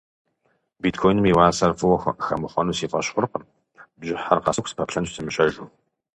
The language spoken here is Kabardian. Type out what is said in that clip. Биткоиным и уасэр фӏыуэ хэмыхъуэну си фӏэщ хъуркъым, бжьыхьэр къэсыху сыпэплъэнщ сымыщэжыу.